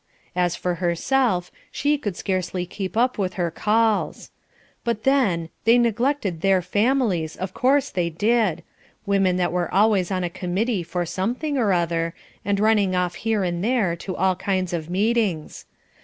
As for herself she could scarcely keep up with her calls. But then! they neglected their families, of course they did; women that were always on a committee for something or other, and running off here and there to all kinds of meetings.